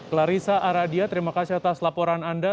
clarissa aradia terima kasih atas laporan anda